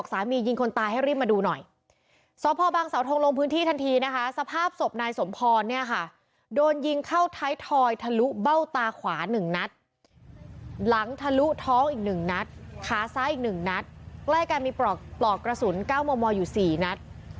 ขาซ้ายอีกหนึ่งนัดใกล้การมีปลอกปลอกกระสุนเก้าโมมอยู่สี่นัด